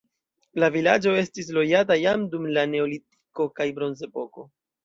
La vilaĝo estis loĝata jam dum la neolitiko kaj bronzepoko.